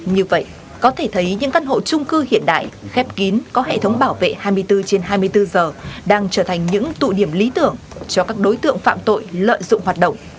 như vậy có thể thấy những căn hộ trung cư hiện đại khép kín có hệ thống bảo vệ hai mươi bốn trên hai mươi bốn giờ đang trở thành những tụ điểm lý tưởng cho các đối tượng phạm tội lợi dụng hoạt động